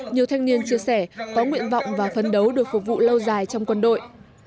nhiều thanh niên chia sẻ có nguyện vọng và phấn đấu được phục vụ lâu dài trong quân đội